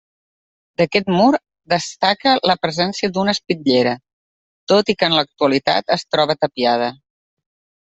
D'aquest mur destaca la presència d'una espitllera, tot i que en l'actualitat es troba tapiada.